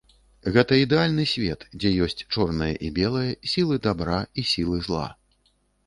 Гэта ідэальны свет, дзе ёсць чорнае і белае, сілы дабра і сілы зла.